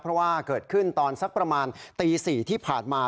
เพราะว่าเกิดขึ้นตอนสักประมาณตี๔ที่ผ่านมา